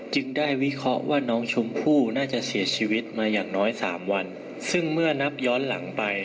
จึงได้วิเคราะห์ว่าน้องชมพู่น่าจะเสียชีวิตมาอย่างน้อยสามวันซึ่งเมื่อนับย้อนหลังไป